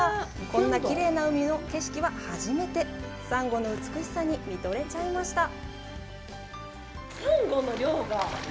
こんなきれいな海の景色は初めて珊瑚の美しさに見とれちゃいました